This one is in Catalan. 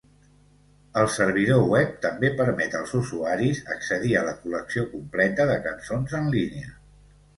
El servidor web també permet als usuaris accedir a la col·lecció completa de cançons en línia.